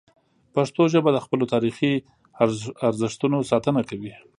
پښتو ژبه د خپلو تاریخي ارزښتونو ساتنه کوي.